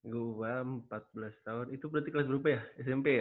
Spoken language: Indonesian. gue empat belas tahun itu berarti kelas dua ya smp ya